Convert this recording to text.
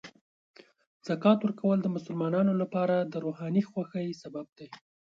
زکات ورکول د مسلمانانو لپاره د روحاني خوښۍ سبب دی.